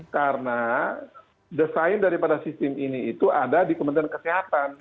karena desain daripada sistem ini itu ada di kementerian kesehatan